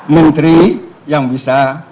menteri yang bisa